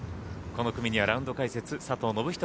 この組にはラウンド解説・佐藤信人